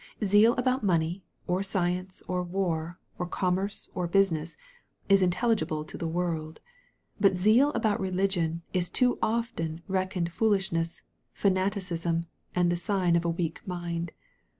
Zeal about money, or science, or war, or com merce, or business, is intelligible to the world. But zeal about religion is too often reckoned foolishness, fanati cism, and the sign of a weak mind.